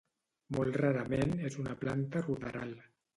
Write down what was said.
Molt rarament és una planta ruderal.